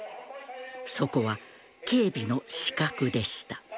そこは警備の死角でした。